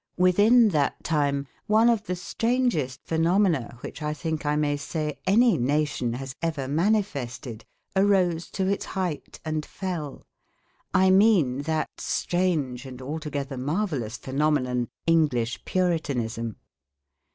Within that time, one of the strangest phenomena which I think I may say any nation has ever manifested arose to its height and fell I mean that strange and altogether marvellous phenomenon, English Puritanism.